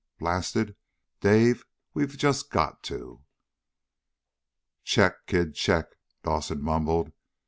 Blast it, Dave, we've just got to!" "Check, kid, check!" Dawson mumbled.